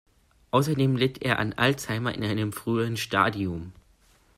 Außerdem litt er an Alzheimer in einem frühen Stadium.